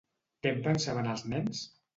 Què en pensaven els nens?